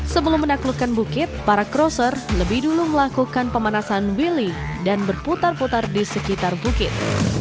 sebelum menaklukkan bukit para crosser lebih dulu melakukan pemanasan willy dan berputar putar di sekitar bukit